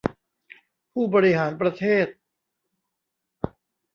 ผู้บริหารประเทศ